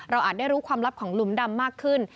อาจได้รู้ความลับของหลุมดำมากขึ้น